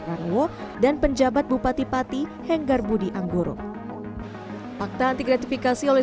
karwo dan penjabat bupati pati henggar budi anggoro fakta anti gratifikasi oleh